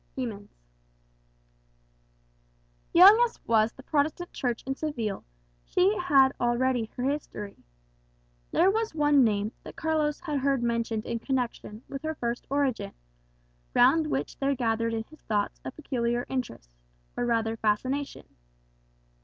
Hemans Young as was the Protestant Church in Seville, she already had her history. There was one name that Carlos had heard mentioned in connection with her first origin, round which there gathered in his thoughts a peculiar interest, or rather fascination.